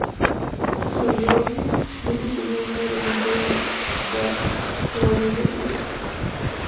Los beocios siempre tuvieron una de las mejores caballerías de Grecia.